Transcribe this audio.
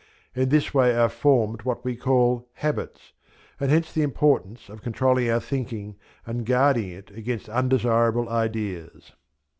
In this way are formed what we call "habits," and hence the importance of controlling our thinking and guarding it against undesirable ideas.